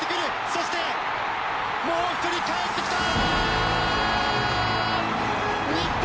そしてもう一人かえってきたー！